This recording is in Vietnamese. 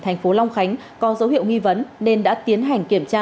tp long khánh có dấu hiệu nghi vấn nên đã tiến hành kiểm tra